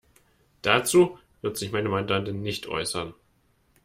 Dazu wird sich meine Mandantin nicht äußern.